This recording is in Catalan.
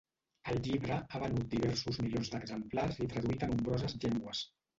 El llibre ha venut diversos milions d'exemplars i traduït a nombroses llengües.